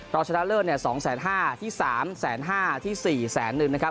รองชนะเลิศ๒แสน๕ที่๓แสน๕ที่๔แสน๑นะครับ